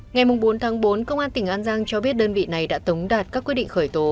ngày bốn tháng bốn công an tỉnh an giang cho biết đơn vị này đã tống đạt các quyết định khởi tố